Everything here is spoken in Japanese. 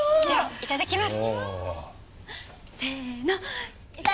いただきます！